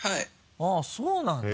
あぁそうなんだ。